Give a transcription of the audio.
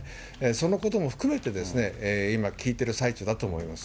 そのことも含めて今、聞いている最中だと思います。